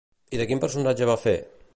I de quin personatge va fer?